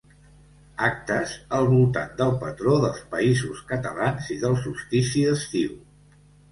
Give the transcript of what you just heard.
Actes al voltant del patró dels Països Catalans i del solstici d'estiu.